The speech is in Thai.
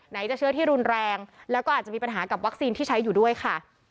จะเชื้อที่รุนแรงแล้วก็อาจจะมีปัญหากับวัคซีนที่ใช้อยู่ด้วยค่ะ